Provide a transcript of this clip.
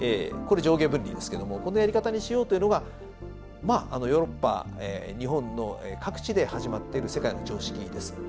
これ上下分離ですけどもこのやり方にしようというのがまあヨーロッパ日本の各地で始まっている世界の常識です。